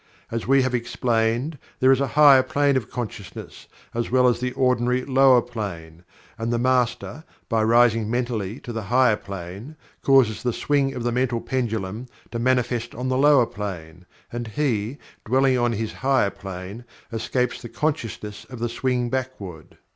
As we have explained, there is a Higher Plane of Consciousness, as well as the ordinary Lower Plane, and the Master by rising mentally to the Higher Plane causes the swing of the mental pendulum to manifest on the Lower Plane, and he, dwelling on his Higher Plane, escapes the consciousness of the swing backward.